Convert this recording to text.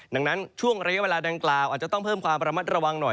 ดังนั้นช่วงระยะเวลาดังกล่าวอาจจะต้องเพิ่มความระมัดระวังหน่อย